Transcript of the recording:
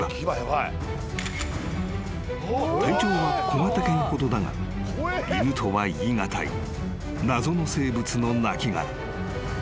［体長は小型犬ほどだが犬とは言い難い謎の生物の亡きがら］